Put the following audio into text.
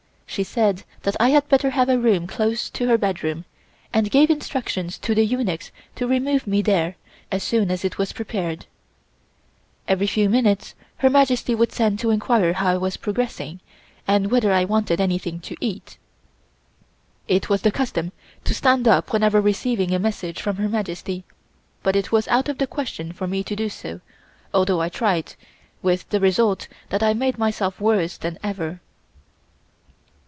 She said that I had better have a room close to her bedroom, and gave instructions for the eunuchs to remove me there as soon as it was prepared. Every few minutes Her Majesty would send to inquire how I was progressing and whether I wanted anything to eat. It was the custom to stand up whenever receiving a message from Her Majesty, but it was out of the question for me to do so, although I tried, with the result that I made myself worse than ever.